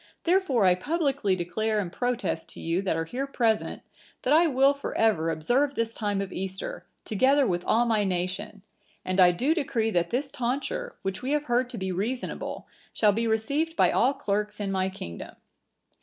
Therefore I publicly declare and protest to you that are here present, that I will for ever observe this time of Easter, together with all my nation; and I do decree that this tonsure, which we have heard to be reasonable, shall be received by all clerks in my kingdom."